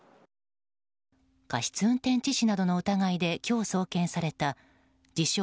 過失運転致死などの疑いで今日、送検された自称